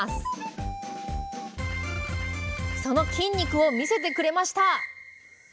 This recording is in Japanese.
その筋肉を見せてくれました